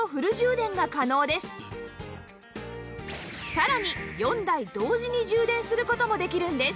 さらに４台同時に充電する事もできるんです